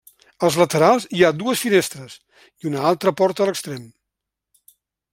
Als laterals hi ha dues finestres, i una altra porta a l'extrem.